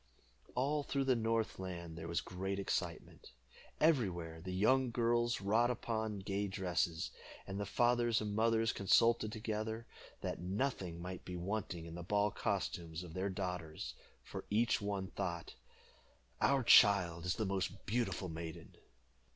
All through the north land there was great excitement. Everywhere the young girls wrought upon gay dresses, and the fathers and mothers consulted together, that nothing might be wanting in the ball costumes of their daughters, for each one thought "Our child is the most beautiful maiden."